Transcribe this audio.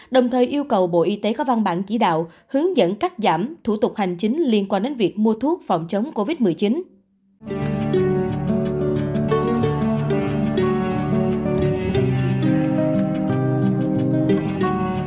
đồng thời yêu cầu bộ y tế có văn bản chỉ đạo hướng dẫn cắt giảm thủ tục hành chính liên quan đến việc mua thuốc phòng chống covid một mươi chín